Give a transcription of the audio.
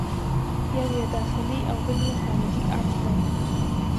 یو یې داخلي او بل یې خارجي اړخ دی.